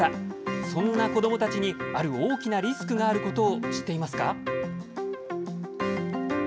そんな子どもたちにある大きなリスクがあることを知っていますか？